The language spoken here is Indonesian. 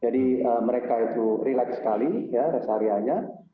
jadi mereka itu relaks sekali res area nya